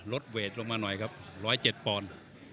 ลดเวทลงมาหน่อยครับร้อยเจ็ดปอนด์